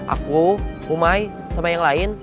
aku umai sama yang lain